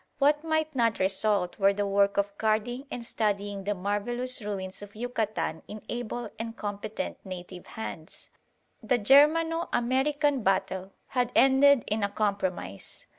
What might not result were the work of guarding and studying the marvellous ruins of Yucatan in able and competent native hands? The Germano American battle had ended in a compromise.